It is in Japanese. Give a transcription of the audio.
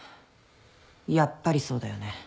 やっぱりそうだよね。